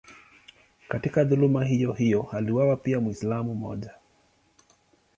Katika dhuluma hiyohiyo aliuawa pia Mwislamu mmoja.